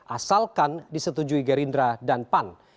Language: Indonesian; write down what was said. asalkan disetujui gerindra dan pan